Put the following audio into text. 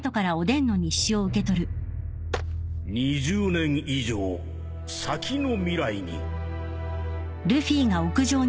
「２０年以上先の未来に」